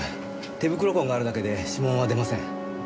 手袋痕があるだけで指紋は出ません。